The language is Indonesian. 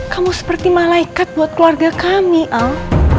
kamu seperti malaikat buat keluarga kami al